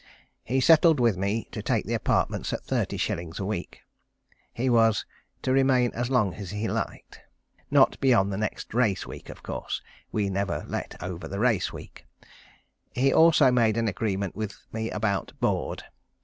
He settled with me to take the apartments at thirty shillings a week. He was to remain as long as he liked. Not beyond the next race week, of course. We never let over the race week. He also made an agreement with me about board.